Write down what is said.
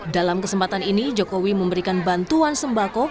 dalam kesempatan ini jokowi memberikan bantuan sembako